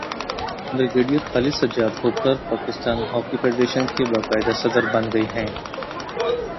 brigadier Khalid Sajjad Khokhar Pakistan hockey federation کے باقاعدہ صدر بن گئے